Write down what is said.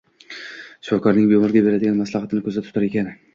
shifokorning bemorga beradigan maslahati»ni ko‘zda tutar ekan.